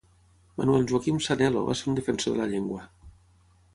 Manuel Joaquim Sanelo va ser un defensor de la llengua.